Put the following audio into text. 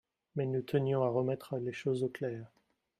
mais nous tenions à remettre les choses au clair.